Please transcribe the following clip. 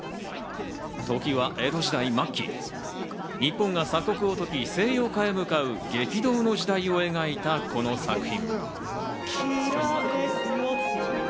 時は江戸時代末期、日本が鎖国をとき、西洋化へ向かう激動の時代を描いたこの作品。